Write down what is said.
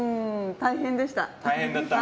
大変でした。